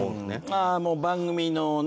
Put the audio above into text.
ああもう番組のね